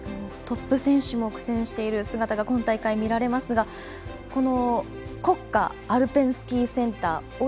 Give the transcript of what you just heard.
トップ選手も苦戦している姿が今大会は見られますがこの国家アルペンスキーセンター。